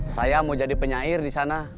saya mau jadi penyair di sana